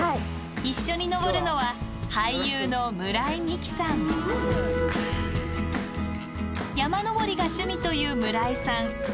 一緒に登るのは山登りが趣味という村井さん。